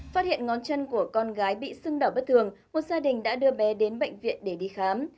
phát hiện ngón chân của con gái bị sưng đỏ bất thường một gia đình đã đưa bé đến bệnh viện để đi khám